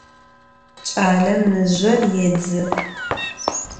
Ç'alem mızjor yêdzı.